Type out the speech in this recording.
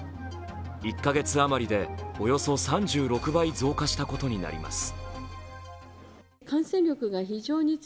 １カ月あまりでおよそ３６倍増加したことになります。